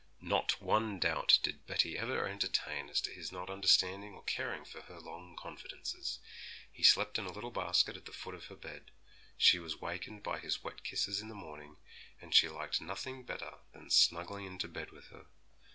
Not one doubt did Betty ever entertain as to his not understanding or caring for her long confidences. He slept in a little basket at the foot of her bed. She was wakened by his wet kisses in the morning, and he liked nothing better than snuggling into bed with her.